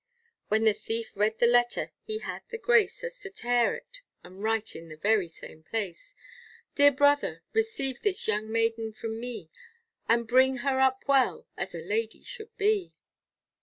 When the thief read the letter, he had the grace, As to tear it, and write in the very same place: Dear brother, receive this young maiden from me, And bring her up well as a lady should be.